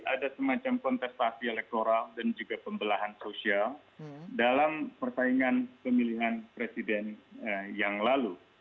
ada semacam kontestasi elektoral dan juga pembelahan sosial dalam persaingan pemilihan presiden yang lalu